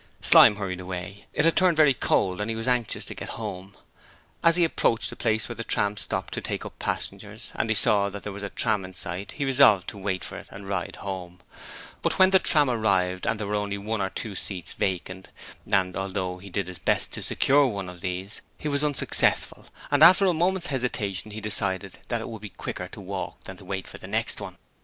Slyme hurried away; it had turned very cold, and he was anxious to get home. As he approached the place where the trams stopped to take up passengers and saw that there was a tram in sight he resolved to wait for it and ride home: but when the tram arrived and there were only one or two seats vacant, and although he did his best to secure one of these he was unsuccessful, and after a moment's hesitation he decided that it would be quicker to walk than to wait for the next one.